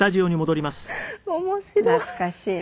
面白い。